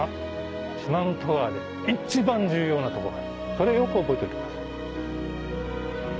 それをよく覚えといてください。